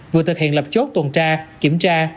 vừa thực hiện lập chốt tuần tra kiểm tra